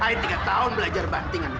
i tiga tahun belajar bantingan itu